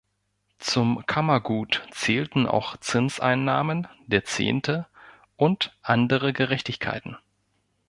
Zum Kammergut zählten auch Zinseinnahmen, der Zehnte und andere Gerechtigkeiten.